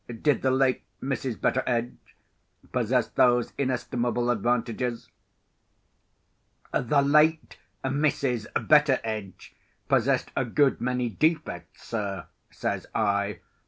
Did the late Mrs. Betteredge possess those inestimable advantages?" "The late Mrs. Betteredge possessed a good many defects, sir," says I.